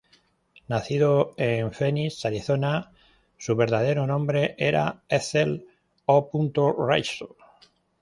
Nacida en Phoenix, Arizona, su verdadero nombre era Ethel O. Risso.